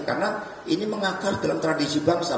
karena ini mengakar dalam tradisi bangsa